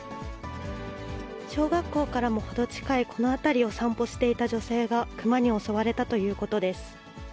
小学校からも程近いこの辺りを散歩していた女性が、クマに襲われたということです。